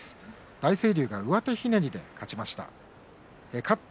大成龍は上手ひねりで勝ちました。